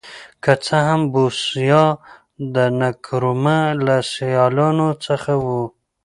که څه هم بوسیا د نکرومه له سیالانو څخه و.